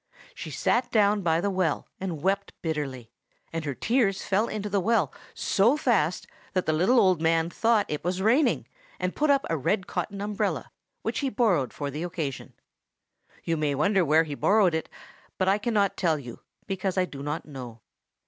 She sat down by the well, and wept bitterly; and her tears fell into the well so fast that the little old man thought it was raining, and put up a red cotton umbrella, which he borrowed for the occasion. You may wonder where he borrowed it; but I cannot tell you, because I do not know.